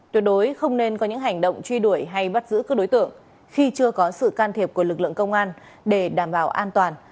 tuyệt đối không nên có những hành động truy đuổi hay bắt giữ các đối tượng khi chưa có sự can thiệp của lực lượng công an để đảm bảo an toàn